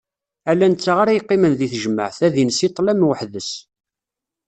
Ala netta ara yeqqimen deg tejmeɛt, ad ines i ṭlam weḥd-s.